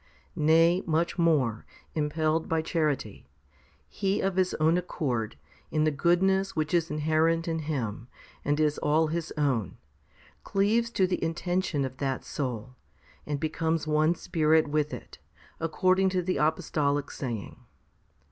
Nay, much more, impelled by charity, He of His own accord, in the goodness which is inherent in Him and is all His own, cleaves to the intention of that soul, and becomes one spirit with it, according to the 288 FIFTY SPIRITUAL HOMILIES apostolic saying.